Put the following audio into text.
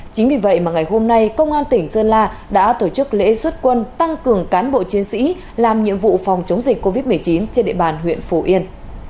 chính vì vậy mà ngày hôm nay công an tỉnh sơn la đã tổ chức lễ xuất quân tăng cường cán bộ chiến sĩ làm nhiệm vụ phòng chống dịch covid một mươi chín trên địa bàn huyện phủ yên